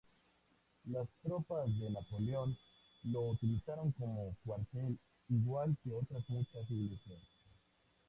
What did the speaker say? Las tropas de Napoleón lo utilizaron como cuartel, igual que otras muchas iglesias.